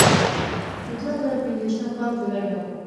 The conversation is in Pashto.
د دوه زره پنځه ویشتم کال جولای ده.